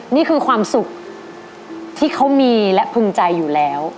นี่คือความสุขที่เขามีและภูมิใจอยู่แล้ว